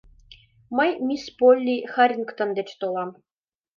— Мый мисс Полли Харрингтон деч толам.